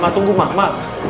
masa tunggu mama